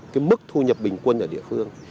cái mức thu nhập bình quân ở địa phương